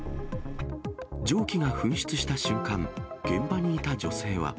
蒸気が噴出した瞬間、現場にいた女性は。